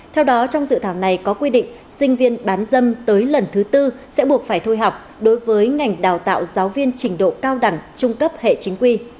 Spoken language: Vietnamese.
theo đó trong dự thảo này có quy định sinh viên bán dâm tới lần thứ tư sẽ buộc phải thôi học đối với ngành đào tạo giáo viên trình độ cao đẳng trung cấp hệ chính quy